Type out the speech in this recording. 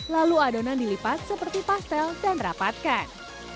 lalu adonan dilipat seperti pastel dan rapatkan